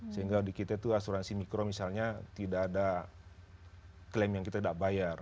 sehingga di kita itu asuransi mikro misalnya tidak ada klaim yang kita tidak bayar